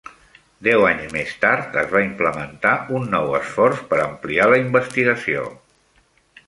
Deu anys més tard es va implementar un nou esforç per ampliar la investigació.